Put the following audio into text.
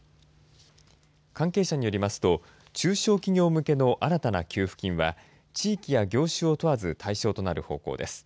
関係者によりますと中小企業向けの新たな給付金は地域や業種を問わず対象となる方向です。